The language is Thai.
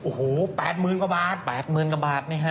โอ้โหแปดหมื่นกว่าบาท